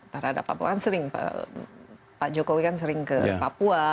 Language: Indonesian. para ada papuan sering pak jokowi kan sering ke papua